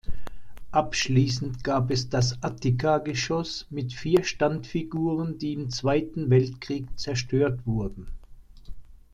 Abschließend gab es das Attikageschoss mit vier Standfiguren, die im Zweiten Weltkrieg zerstört wurden.